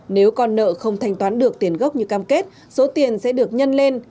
nếu con nợ không thanh toán được tiền gốc như cam kết số tiền sẽ được nhân lên